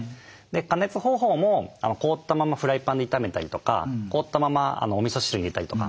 加熱方法も凍ったままフライパンで炒めたりとか凍ったままおみそ汁に入れたりとか。